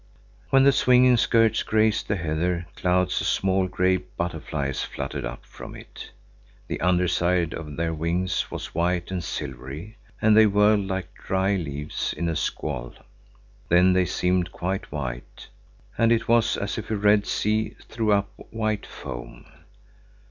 When the swinging skirts grazed the heather, clouds of small grey butterflies fluttered up from it. The under side of their wings was white and silvery and they whirled like dry leaves in a squall. They then seemed quite white, and it was as if a red sea threw up white foam.